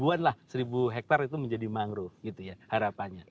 satu an lah satu hektare itu menjadi mangrove gitu ya harapannya